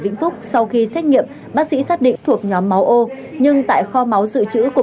vĩnh phúc sau khi xét nghiệm bác sĩ xác định thuộc nhóm máu ô nhưng tại kho máu dự trữ của